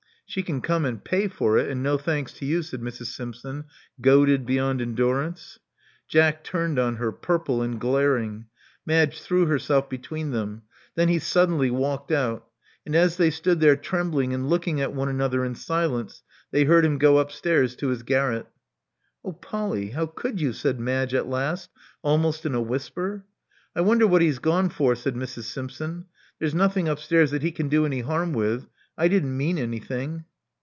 '*She can come and pay for it, and no thanks to you, said Mrs. Simpson, goaded beyond endurance. Jack turned on her, purple and glaring. Madge threw herself between them. Then he suddenly walked out; and, as they stood there trembling and looking at one another in silence, they heard him go upstairs to his garret. Oh, Polly, how could you?" said Madge at last, almost in a whisper. *'I wonder what he's gone for,*' said Mrs. Simpson. ''There's nothing upstairs that he can do any harm with. I didn*t mean anything."